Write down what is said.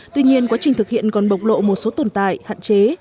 tuy nhiên quá trình thực hiện còn bộc lộ một số tồn tại hạn chế